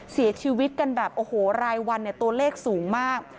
เสียชีวิตกันแบบโอ้โหรายวันเนี่ยตัวเลขสูงมาก